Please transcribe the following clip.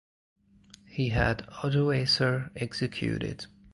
He had Odoacer executed.